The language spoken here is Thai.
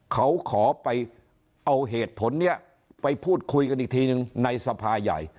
เขาขอไปเอาเหตุผลนี้ไปพูดคุยกันอีกทีหนึ่งในสภาใหญ่